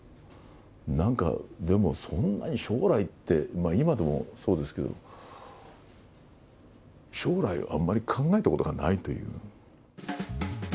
なんかでも、そんなに将来って、今でもそうですけど、将来をあんまり考えたことがないという。